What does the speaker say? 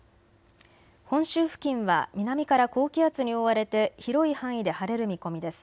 本州付近は南から高気圧に覆われて広い範囲で晴れる見込みです。